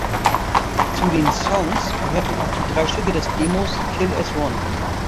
Zu den Songs gehörten auch die drei Stücke des Demos "Kill As One".